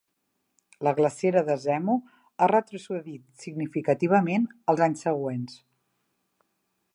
La glacera de Zemu ha retrocedit significativament els anys següents.